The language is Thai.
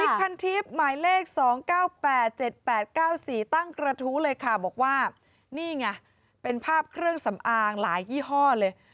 พันทิพย์หมายเลข๒๙๘๗๘๙๔ตั้งกระทู้เลยค่ะบอกว่านี่ไงเป็นภาพเครื่องสำอางหลายยี่ห้อเลย